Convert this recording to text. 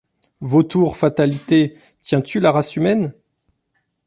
Vautour fatalité, tiens-tu la race humaine?